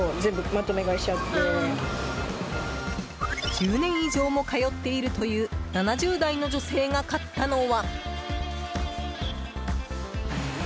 １０年以上も通っているという７０代の女性が買ったのは。